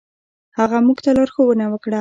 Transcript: هغه موږ ته لارښوونه وکړه.